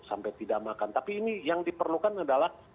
sampai tidak makan tapi ini yang diperlukan adalah